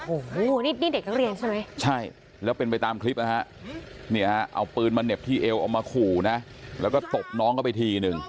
โอ้โหนี่เด็กนักเรียนใช่ไหมใช่แล้วเป็นไปตามคลิปนะฮะเนี่ยเอาปืนมาเหน็บที่เอวเอามาขู่นะแล้วก็ตบน้องเข้าไปทีนึง